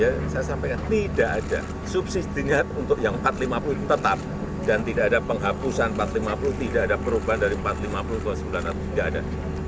saya sampaikan tidak ada subsidinya untuk yang empat ratus lima puluh tetap dan tidak ada penghapusan empat ratus lima puluh tidak ada perubahan dari empat ratus lima puluh ke sembilan ratus tidak ada